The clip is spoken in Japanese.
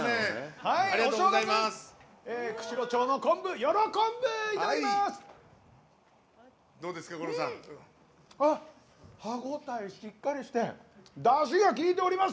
釧路町の昆布よろこんでいただきます！